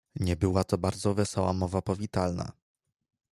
"Nie była to bardzo wesoła mowa powitalna."